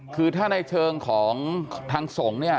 คือถ้าในเชิงของทางส่ง